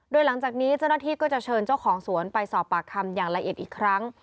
โดยหลังจากนี้เจ้าหน้าที่ก็จะเชิญเจ้าของสวนไปสอบปากคำอย่างละเอียดอีกครั้ง